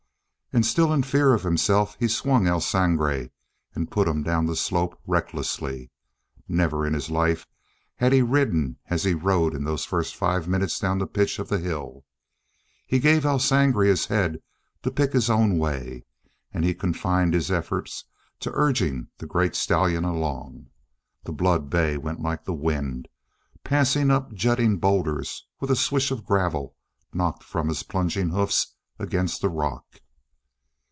And still in fear of himself he swung El Sangre and put him down the slope recklessly. Never in his life had he ridden as he rode in those first five minutes down the pitch of the hill. He gave El Sangre his head to pick his own way, and he confined his efforts to urging the great stallion along. The blood bay went like the wind, passing up jutting boulders with a swish of gravel knocked from his plunging hoofs against the rock.